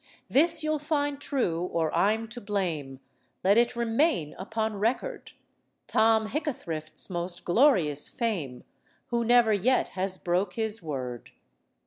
This you'll find true, or I'm to blame, Let it remain upon record, Tom Hickathrift's most glorious fame, Who never yet has broke his word.